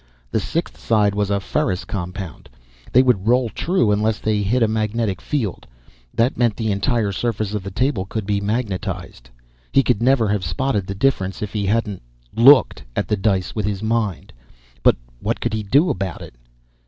The sixth side was a ferrous compound. They would roll true unless they hit a magnetic field that meant the entire surface of the table could be magnetized. He could never have spotted the difference if he hadn't looked at the dice with his mind. But what could he do about it?